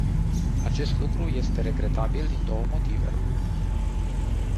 Acest lucru este regretabil din două motive.